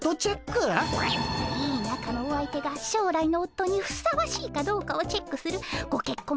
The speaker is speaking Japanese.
いいなかのお相手が将来のおっとにふさわしいかどうかをチェックするごけっこん